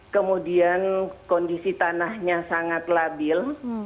kemudian kondisi tanahnya sangat labil